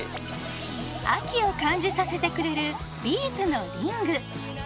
秋を感じさせてくれるビーズのリング。